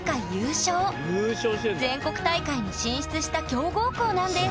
全国大会に進出した強豪校なんです！